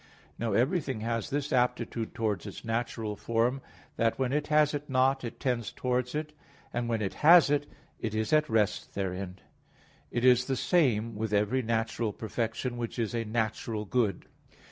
Now everything has this aptitude towards its natural form, that when it has it not, it tends towards it; and when it has it, it is at rest therein. It is the same with every natural perfection, which is a natural good.